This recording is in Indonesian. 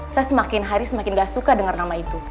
saya semakin hari semakin gak suka dengar nama itu